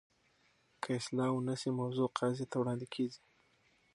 که اصلاح ونه شي، موضوع قاضي ته وړاندي کیږي.